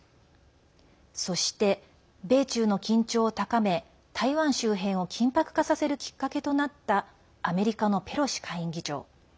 そして、米中の緊張を高め台湾周辺を緊迫化させるきっかけとなったアメリカのペロシ下院議長。